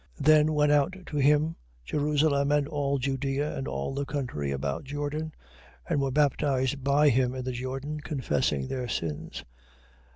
3:5. Then went out to him Jerusalem and all Judea, and all the country about Jordan: 3:6. And were baptized by him in the Jordan, confessing their sins.